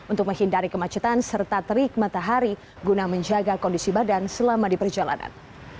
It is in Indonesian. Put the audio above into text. untuk menghindari kemacetan serta terik matahari guna menjaga kondisi badan selama di perjalanan